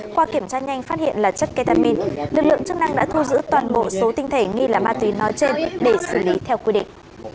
qua kiểm tra nhanh phát hiện là chất ketamin lực lượng chức năng đã thu giữ toàn bộ số tinh thể nghi là ma túy nói trên để xử lý theo quy định